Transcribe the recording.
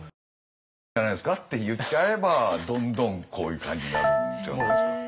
「いいんじゃないですか」って言っちゃえばどんどんこういう感じになるんじゃないですか。